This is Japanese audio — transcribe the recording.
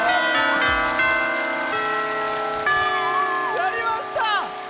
やりました！